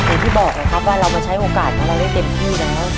เห็นที่บอกนะครับว่าเรามาใช้โอกาสมาได้เต็มที่นะ